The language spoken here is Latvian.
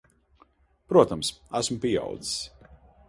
Protams. Esmu pieaudzis.